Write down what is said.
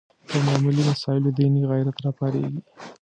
په معمولي مسایلو دیني غیرت راپارېږي